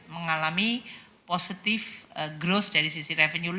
mengalami positive growth dari sisi revenue